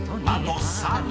［あと３問。